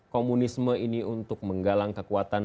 komunisme ini untuk menggalang kekuatan